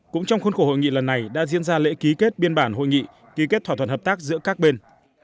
cũng trong khuôn khổ hội nghị lần này đã diễn ra lễ ký kết biên bản hội nghị ký kết thỏa thuận hợp tác giữa các bên